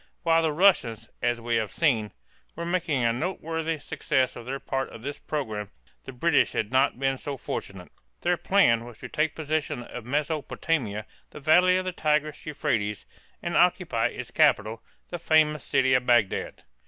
While the Russians, as we have seen, were making a noteworthy success of their part of this program, the British had not been so fortunate. Their plan was to take possession of Mesopotamia, the valley of the Tigris Euphrates, and occupy its capital, the famous city of Bagdad.